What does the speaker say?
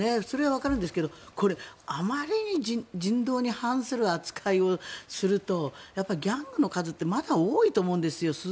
それはわかるんですけどあまりに人道に反する扱いをするとギャングの数ってまだ多いと思うんですよ。